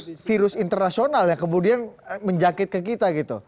jadi ini virus internasional ya kemudian menjakit ke kita gitu